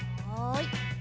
はい。